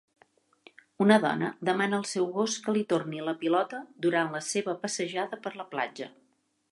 Una dona demana al seu gos que li torni la pilota durant la seva passejada per la platja.